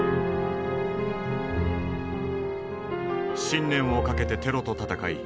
信念を懸けてテロと戦い